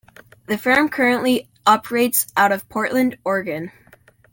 The firm currently operates out of Portland, Oregon.